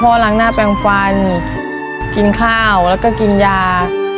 ล้างหน้าแปลงฟันกินข้าวแล้วก็กินยา